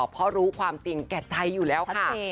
เพราะรู้ความจริงแก่ใจอยู่แล้วค่ะ